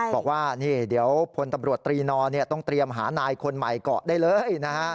บอกว่านี่เดี๋ยวพลตำรวจตรีนอต้องเตรียมหานายคนใหม่เกาะได้เลยนะฮะ